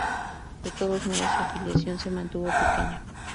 De todos modos, su afiliación se mantuvo pequeña.